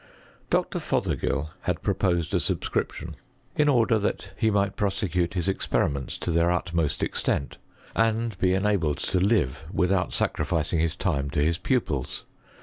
Dr. Fothergill had proposed a subscrip tion, in order that he might prosecute his experiments to their utmost extent, and be enabled to live with out sacrificing his time to his pupils.